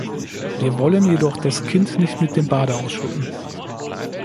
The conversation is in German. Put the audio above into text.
Wir wollen jedoch das Kind nicht mit dem Bade ausschütten.